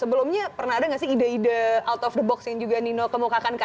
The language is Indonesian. sebelumnya pernah ada nggak sih ide ide out of the box yang juga nino kemukakan